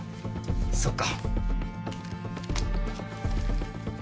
そっか。